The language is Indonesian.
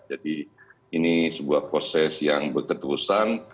jadi ini sebuah proses yang berketerusan